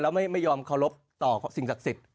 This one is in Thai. แล้วไม่ยอมเคารพต่อสิ่งศักดิ์สิทธิ์